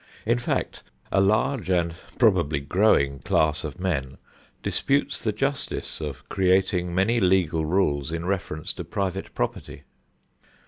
In fact, a large and probably growing class of men disputes the justice of creating many legal rules in reference to private property.